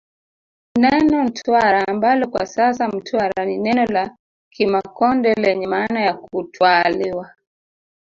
Neno Ntwara ambalo kwa sasa Mtwara ni neno la Kimakonde lenye maana ya kutwaaliwa